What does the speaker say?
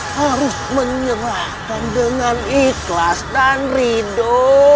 harus menyerahkan dengan ikhlas dan rindu